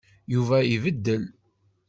Yuba ibeddel.